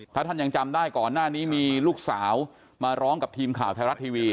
ถ้าท่านยังจำได้ก่อนหน้านี้มีลูกสาวมาร้องกับทีมข่าวไทยรัฐทีวี